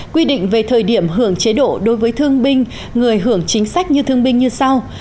quy định về thời điểm hưởng chế độ đối với thương binh người hưởng chính sách như thương binh như sau